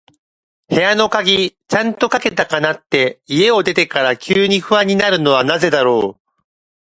部屋の鍵、ちゃんとかけたかなって、家を出てから急に不安になるのはなぜだろう。